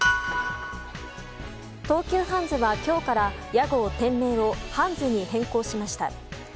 東急ハンズは今日から屋号・店名をハンズに変更しました。